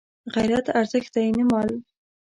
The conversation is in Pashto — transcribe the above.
غیرت ارزښت دی نه مال